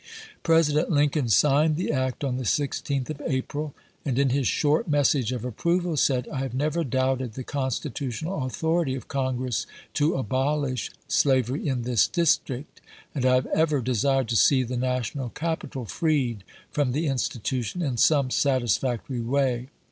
President Lincoln signed the act on the 16th of 1862. April, and in his short message of approval said: " I have never doubted the constitutional authority of Congress to abolish slavery in this District ; and I have ever desired to see the national capital freed from the institution in some satisfactory way.